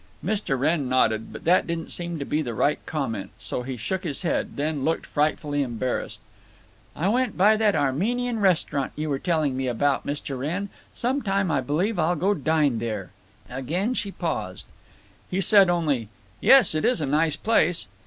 Mr. Wrenn nodded, but that didn't seem to be the right comment, so he shook his head, then looked frightfully embarrassed. "I went by that Armenian restaurant you were telling me about, Mr. Wrenn. Some time I believe I'll go dine there." Again she paused. He said only, "Yes, it is a nice place."